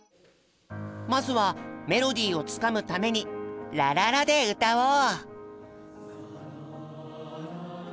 まずはメロディーをつかむために「ラララ」で歌おう！